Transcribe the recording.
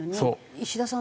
石田さん